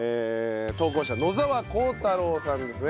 投稿者野沢光太郎さんですね。